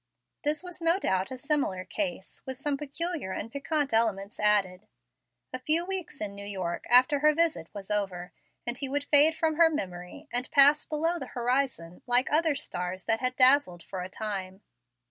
This was no doubt a similar case, with some peculiar and piquant elements added. A few weeks in New York after her visit was over, and he would fade from memory, and pass below the horizon like other stars that had dazzled for a time.